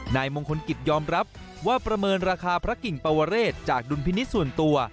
นายมงคลกิจยอมรับว่าประเมินราคาพระกิ่งปวเรศจากดุลพินิษฐ์ส่วนตัว